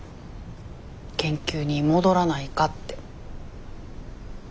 研究に戻らないかって。